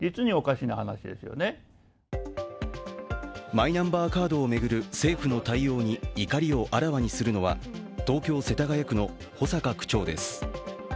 マイナンバーカードを巡る政府の対応に怒りをあらわにするのは東京・世田谷区の保坂区長です。